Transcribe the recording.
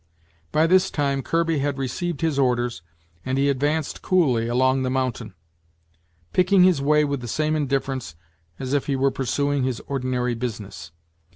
By this time, Kirby had received his orders, and he advanced coolly along the mountain, picking his way with the same indifference as if he were pursuing his ordinary business.